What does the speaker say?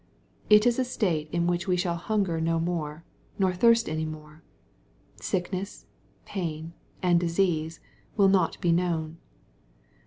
It is a state in which we shall hunger no more, nor thirst any more. Sickness, pain, and disease, will not be known.